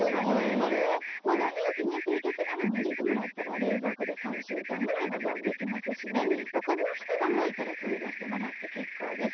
保存容器に清潔なのを入れてもらったら冷蔵庫で３週間くらい保存できますしお昆布は、一晩、置いたら取り出してもらって結構です。